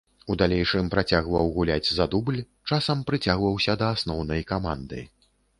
У далейшым працягваў гуляць за дубль, часам прыцягваўся да асноўнай каманды.